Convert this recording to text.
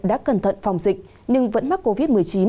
đã cẩn thận phòng dịch nhưng vẫn mắc covid một mươi chín